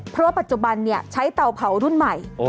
เพราะปัจจุบันเนี้ยใช้เตาเผารุ่นใหม่โอ้